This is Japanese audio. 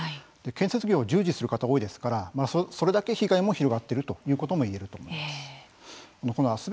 建設業、従事する方多いですからそれだけ被害も広がっているということも言えると思います。